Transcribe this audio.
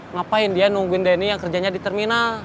ngapain dia nungguin denny yang kerjanya di terminal